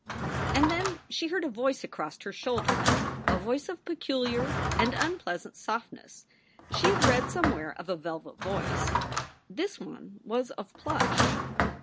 And then she heard a voice across her shoulder, a voice of peculiar and unpleasant softness. She had read somewhere of a velvet voice. This one was of plush.